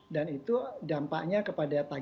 dan itu dampaknya kepada